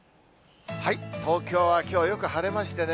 東京はきょうはよく晴れましてね。